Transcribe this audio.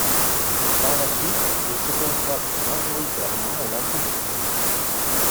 Par la suite il se consacre majoritairement au lancer du disque.